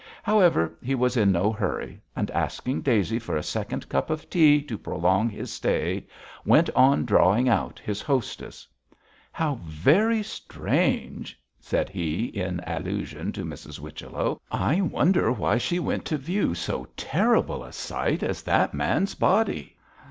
However, he was in no hurry; and, asking Daisy for a second cup of tea to prolong his stay, went on drawing out his hostess. 'How very strange!' said he, in allusion to Miss Whichello. 'I wonder why she went to view so terrible a sight as that man's body.'